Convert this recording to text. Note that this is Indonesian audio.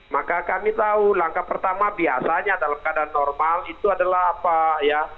maka kami tahu langkah pertama biasanya dalam keadaan normal itu adalah apa ya